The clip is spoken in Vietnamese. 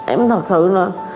em thật sự là